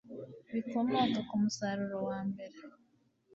bikomoka ku musaruro wa mbere